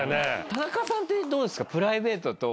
田中さんってどうですか？